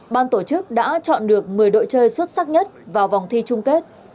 ban tổ chức đã chọn được một mươi đội chơi xuất sắc nhất vào vòng thi chung kết